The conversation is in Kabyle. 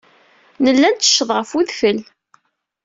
Nella nettecceg ɣef wedfel.